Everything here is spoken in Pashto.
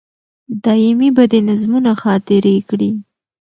دایمي به دي نظمونه خاطرې کړي